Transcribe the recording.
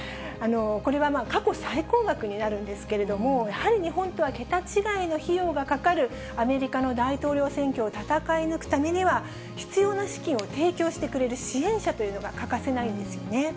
これは過去最高額になるんですけれども、やはり日本とは桁違いの費用がかかるアメリカの大統領選挙を戦い抜くためには、必要な資金を提供してくれる支援者というのが欠かせないんですよね。